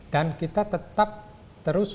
dan kita tetap terus